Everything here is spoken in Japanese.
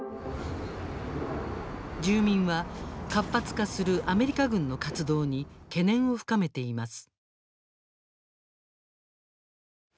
住民は活発化するアメリカ軍の活動に懸念を深めています。